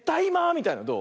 みたいのどう？